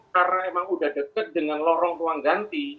karena memang sudah dekat dengan lorong ruang ganti